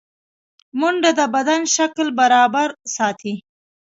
منډه د بدن شکل برابر ساتي